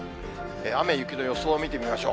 雨、雪の予想を見てみましょう。